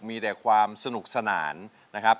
มีแต่ความสนุกสนานนะครับ